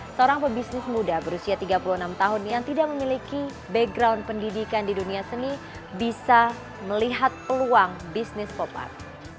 seorang pebisnis muda berusia tiga puluh enam tahun yang tidak memiliki background pendidikan di dunia seni bisa melihat peluang bisnis pop art